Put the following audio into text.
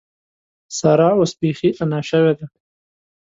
سارا اوس بېخي انا شوې ده.